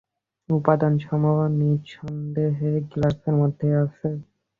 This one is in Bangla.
উপাদানসমূহও নিঃসন্দেহে গ্লাসের মধ্যেই আছে।